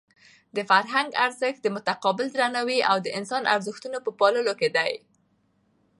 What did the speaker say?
د فرهنګ ارزښت د متقابل درناوي او د انساني ارزښتونو په پاللو کې دی.